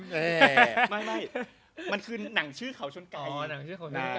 ไม่มันคือหนังชื่อเขาชนไก่